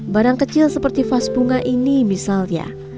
barang kecil seperti vas bunga ini misalnya